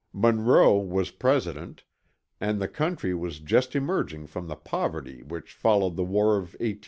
Monroe was President, and the country was just emerging from the poverty which followed the war of 1812 15.